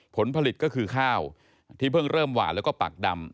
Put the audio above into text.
ผลผลิตก็คือข้าวที่เพิ่งเริ่มหวานแล้วก็ปากดำ